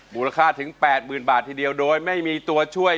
บุรคศาสตร์ถึง๘๐๐๐๐บาททีเดียวโดยไม่มีตัวช่วย